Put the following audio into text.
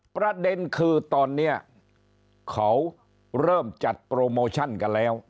ประเด็นคือตอนนี้เขาเริ่มจัดโปรโมชั่นกันแล้ว